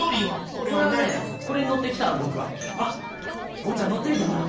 おうちゃんのってみてほら。